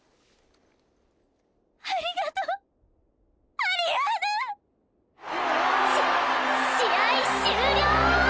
ありがとうアリアーヌし試合終了！